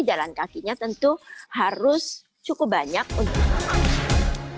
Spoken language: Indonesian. jalan kaki itu harus cukup banyak untuk menurunkan energi